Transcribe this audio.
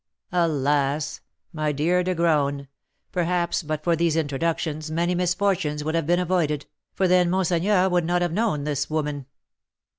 Alas! my dear De Graün, perhaps but for these introductions many misfortunes would have been avoided, for then monseigneur would not have known this woman.